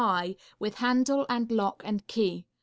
high, with handle and lock and key.